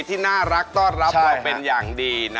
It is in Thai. ที่น่ารักต้อนรับเราเป็นอย่างดี